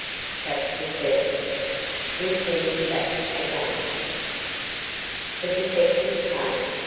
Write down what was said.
CHAPTER VII WE SEND HIM BACK AGAIN The detective came.